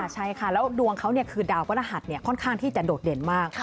ใช่ค่ะแล้วดวงเขาเนี่ยคือดาวพันธหัสเนี่ยค่อนข้างที่จะโดดเด่นมาก